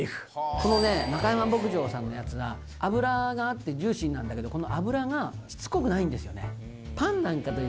このねなかやま牧場さんのやつは脂があってジューシーなんだけどこの脂がしつこくないんですよね。